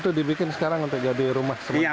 itu dibikin sekarang untuk jadi rumah sementara